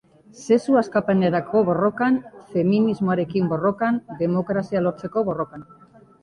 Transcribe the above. Sexu askapenerako borrokan, feminismoarekin borrokan, demokrazia lortzeko borrokan.